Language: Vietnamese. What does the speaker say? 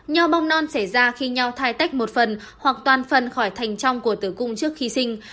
nho bong non xảy ra khi nho thay tách một phần hoặc toàn phần khỏi thành trong của tử cung trước khi sinh